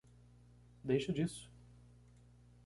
Deixa disso!